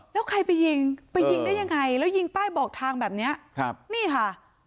แล้วใครไปยิงไปยิงได้ยังไงแล้วยิงป้ายบอกทางแบบเนี้ยครับนี่ค่ะ